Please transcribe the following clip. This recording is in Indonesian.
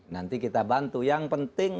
nanti kita bantu yang penting